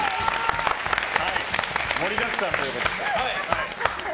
盛りだくさんということで。